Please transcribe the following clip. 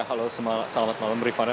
halo selamat malam rifana